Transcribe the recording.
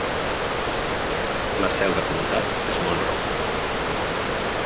La seu de comtat és Monroe.